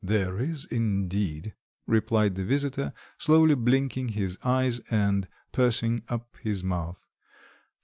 "There is indeed!" replied the visitor, slowly blinking his eyes and pursing up his mouth.